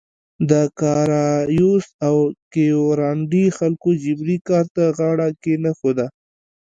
د کارایوس او کیورانډي خلکو جبري کار ته غاړه کې نه ایښوده.